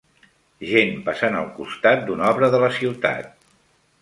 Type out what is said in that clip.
Gent passant al costat d'una obra de la ciutat